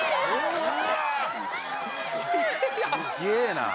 すげぇな。